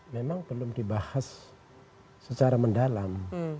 memang belum dibahas secara mendalam